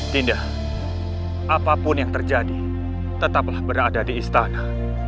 tidak apapun yang terjadi tetaplah berada di istana